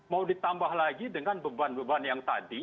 mau ditambah lagi dengan beban beban yang tadi